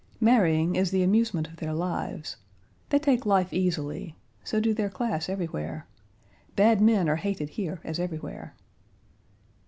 Marrying is the amusement of their lives. They take life easily; so do their class everywhere. Bad men are hated here as elsewhere.